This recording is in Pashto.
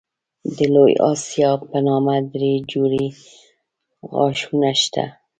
د لوی آسیاب په نامه دری جوړې غاښونه شته.